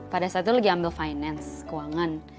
pada saat itu lagi ambil finance keuangan